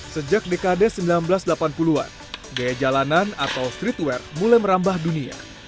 sejak dekade seribu sembilan ratus delapan puluh an gaya jalanan atau streetwear mulai merambah dunia